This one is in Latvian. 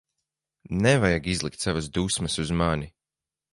Nevajag izlikt savas dusmas uz mani.